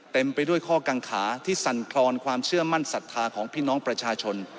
ไปด้วยข้อกังขาที่สั่นคลอนความเชื่อมั่นศรัทธาของพี่น้องประชาชน